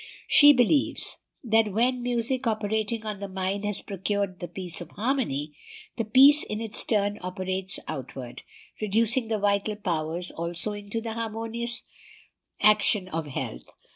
She believes that when music operating on the mind has procured the peace of harmony, the peace in its turn operates outward, reducing the vital powers also into the harmonious action of health.